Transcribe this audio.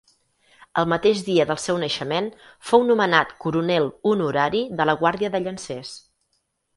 El mateix dia del seu naixement fou nomenat coronel honorari de la guàrdia de llancers.